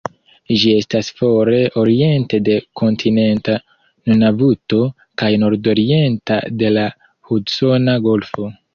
Ĝi estas fore oriente de kontinenta Nunavuto, kaj nordorienta de la Hudsona Golfo.